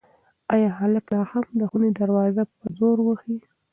ایا هلک لا هم د خونې دروازه په زور وهي؟